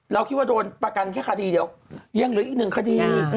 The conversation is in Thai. เราคิดว่าโดนประกันแค่คดีเดียวยังเหลืออีกหนึ่งคดี